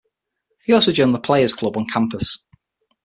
He also joined the Player's Club on campus.